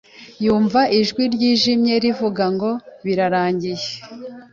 Yumva ijwi ryijimye rivuga ngo "Birarangiye"